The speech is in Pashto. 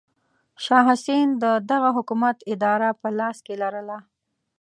شاه حسین د دغه حکومت اداره په لاس کې لرله.